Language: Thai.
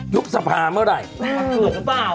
ยุคสภาเมื่อไหร่วันเกิดหรือเปล่า